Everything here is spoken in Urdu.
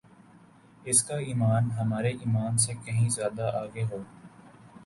اس کا ایمان ہمارے ایمان سے کہین زیادہ آگے ہو